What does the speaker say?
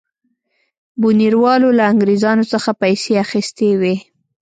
بونیروالو له انګرېزانو څخه پیسې اخیستې وې.